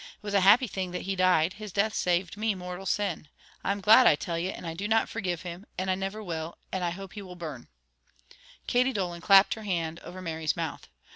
It was a happy thing that he died. His death saved me mortal sin. I'm glad, I tell you, and I do not forgive him, and I niver will, and I hope he will burn " Katy Dolan clapped her hand over Mary's mouth.